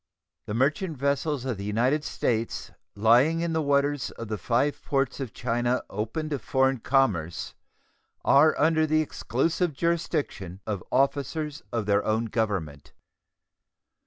The merchant vessels of the United States lying in the waters of the five ports of China open to foreign commerce are under the exclusive jurisdiction of officers of their own Government.